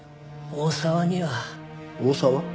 大沢？